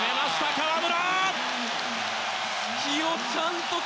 河村